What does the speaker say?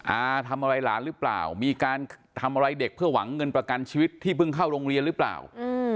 อาทำอะไรหลานหรือเปล่ามีการทำอะไรเด็กเพื่อหวังเงินประกันชีวิตที่เพิ่งเข้าโรงเรียนหรือเปล่า